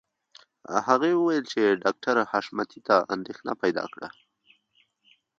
هغې وویل چې ډاکټر حشمتي ته اندېښنه پیدا کړه